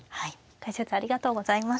解説ありがとうございました。